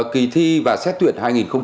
kỳ thi và xét tuyển